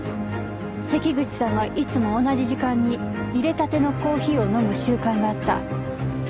関口さんはいつも同じ時間に淹れたてのコーヒーを飲む習慣があった。